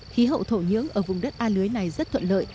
khí hậu thổ nhưỡng ở vùng đất a lưới này rất thuận lợi